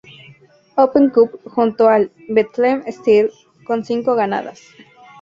Open Cup junto al Bethlehem Steel, con cinco ganadas.